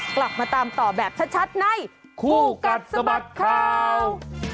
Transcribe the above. กลับมาตามต่อแบบชัดในคู่กัดสะบัดข่าว